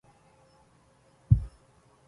في سلكها المنتقى من حسن مبناكِ